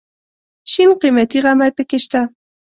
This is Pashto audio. شین قیمتي غمی پکې شته.